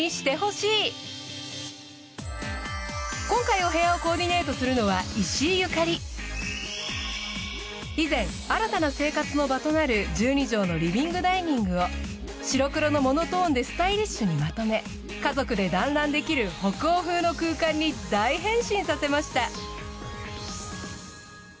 今回お部屋をコーディネートするのは以前新たな生活の場となる１２畳のリビング・ダイニングを白黒のモノトーンでスタイリッシュにまとめ家族で団らんできる北欧風の空間に大変身させました。